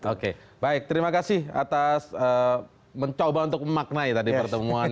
oke baik terima kasih atas mencoba untuk memaknai tadi pertemuan